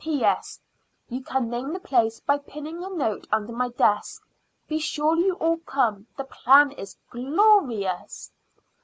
"P.S. You can name the place by pinning a note under my desk. Be sure you all come. The plan is gloryious."